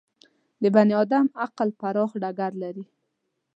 د بني ادم عقل پراخ ډګر لري.